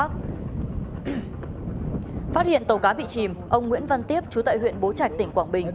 tàu cá bị chìm ông nguyễn văn tiếp trú tại huyện bố trạch tỉnh quảng bình